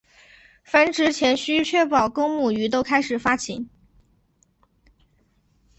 繁殖前须确保公母鱼都开始发情。